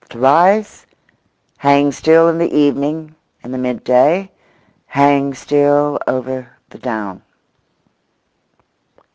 To rise; hang still in the evening, in the midday; hang still over the down.